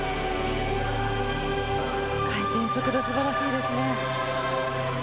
回転速度、素晴らしいですね。